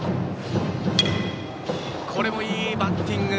これもいいバッティング。